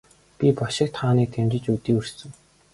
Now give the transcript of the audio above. Би бошигт хааныг дэмжиж өдий хүрсэн.